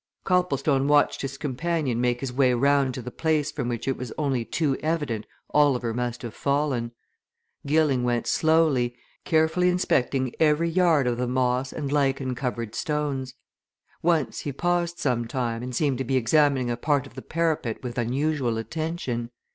Copplestone watched his companion make his way round to the place from which it was only too evident Oliver must have fallen. Gilling went slowly, carefully inspecting every yard of the moss and lichen covered stones. Once he paused some time and seemed to be examining a part of the parapet with unusual attention.